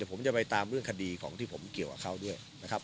ผมจะไปตามเรื่องคดีของที่ผมเกี่ยวกับเขาด้วยนะครับ